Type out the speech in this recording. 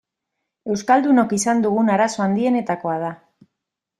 Euskaldunok izan dugun arazo handienetakoa da.